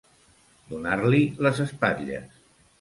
Donar-li les espatlles.